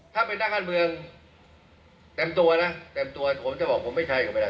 ถ้าเป็นนักการเมืองเต็มตัวนะเต็มตัวผมจะบอกผมไม่ใช่ก็ไม่ได้